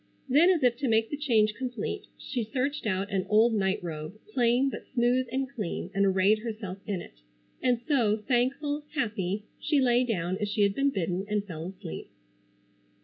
Then, as if to make the change complete, she searched out an old night robe, plain but smooth and clean and arrayed herself in it, and so, thankful, happy, she lay down as she had been bidden and fell asleep.